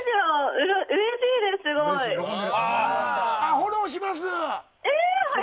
フォローします。